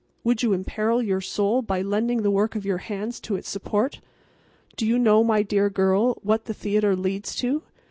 Would you imperil your soul by lending the work of your hands to its support? Do you know, my dear girl, what the theatre leads to?